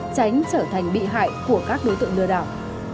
tránh trở thành bị hại của các đối tượng lừa đảo